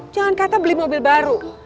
jangan kata beli mobil baru